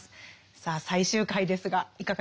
さあ最終回ですがいかがですか？